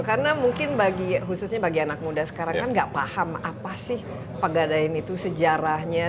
karena mungkin bagi khususnya bagi anak muda sekarang kan gak paham apa sih pegadaian itu sejarahnya